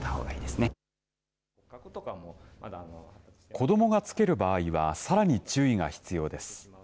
子どもが着ける場合はさらに注意が必要です。